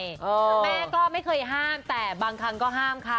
แม่ก็ไม่เคยห้ามแต่บางครั้งก็ห้ามค่ะ